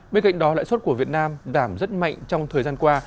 bên cạnh đó lãi suất của việt nam giảm rất mạnh trong thời gian qua